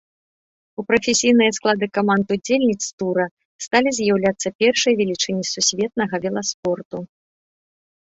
У прафесійныя склады каманд-удзельніц тура сталі заяўляцца першыя велічыні сусветнага веласпорту.